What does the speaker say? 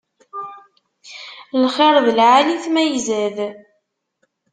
Lxiṛ d lɛali-t ma izad.